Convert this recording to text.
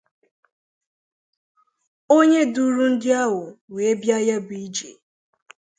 onye duru ndị ahụ wee bịa ya bụ ijè